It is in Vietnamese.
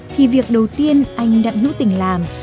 thì việc đầu tiên anh đặng hữu tình làm